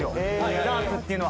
ダーツっていうのは。